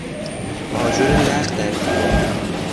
آجر لق در دیوار